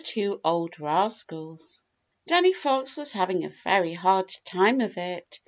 TWO OLD RASCALS Danny Fox was having a very hard time of it.